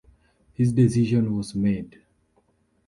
His decision was made.